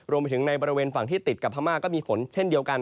รวมไปถึงในบริเวณฝั่งที่ติดกับพม่าก็มีฝนเช่นเดียวกัน